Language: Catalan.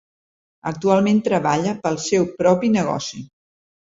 Actualment treballa pel seu propi negoci.